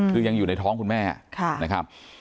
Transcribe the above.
คือยังอยู่ในท้องคุณแม่นะครับ